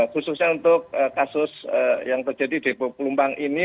khususnya untuk kasus yang terjadi di depok pelumpang ini